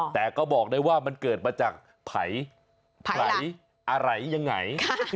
แต่ก็บอกได้ว่ามันเกิดมาจากไผ่อะไรยังไง